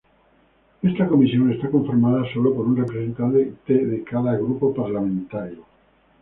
Esta comisión está conformada solo por un representante de cada grupo parlamentario.